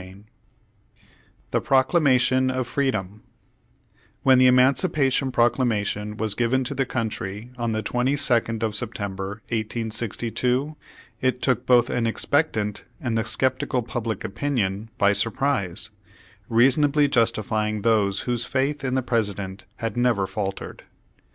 274, THE PROCLAMATION OF FREEDOM When the Emancipation Proclamation was given to the country on the 22nd of September, 1862, it took both an expectant and the skeptical public opinion by surprise, reasonably justifying those whose faith in the President had never faltered.